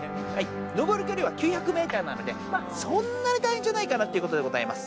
上る距離は９００メートルなので、そんなに大変じゃないかなっていうことでございます。